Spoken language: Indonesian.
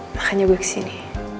makanya gue kesini